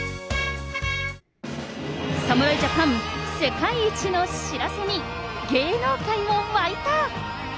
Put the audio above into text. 侍ジャパン、世界一の知らせに、芸能界も沸いた。